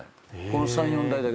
この３４台だけ。